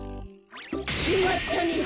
きまったね。